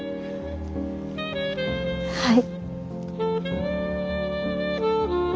はい。